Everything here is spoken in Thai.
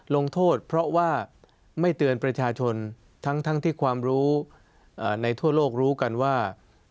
ลงโทษเพราะว่าไม่เตือนประชาชนทั้งที่ความรู้ในทั่วโลกรู้กันว่า